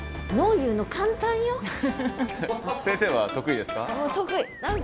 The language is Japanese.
先生は得意ですか？